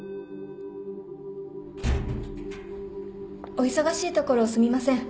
・お忙しいところすみません。